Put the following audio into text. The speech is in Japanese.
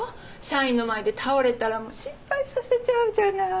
社員の前で倒れたら心配させちゃうじゃない。